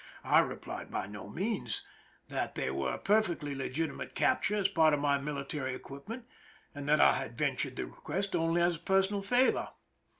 I replied, By no means ; that they were a perfectly legitimate capture as part of my military equip ment, and that I had ventured the request only as a personal favor.